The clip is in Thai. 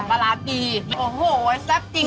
มะนาวโสด